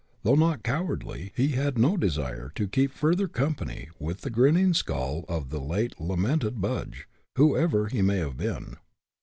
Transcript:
Though not cowardly, he had no desire to keep further company with the grinning skull of the late lamented Budge, whoever he may have been.